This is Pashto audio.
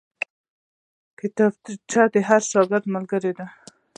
کتابچه د هر شاګرد ملګرې ده